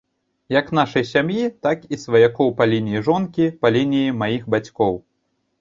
Як нашай сям'і, так і сваякоў па лініі жонкі, па лініі маіх бацькоў.